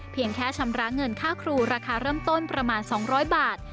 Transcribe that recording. แค่ชำระเงินค่าครูราคาเริ่มต้นประมาณ๒๐๐บาท